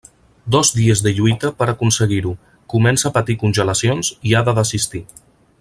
Dos dies de lluita per aconseguir-ho; comença a patir congelacions i ha de desistir.